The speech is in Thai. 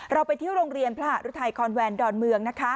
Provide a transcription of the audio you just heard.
เราไปที่โรงเรียนพระหารุทัยคอนแวนดอนเมืองนะคะ